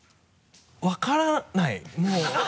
分からないもう。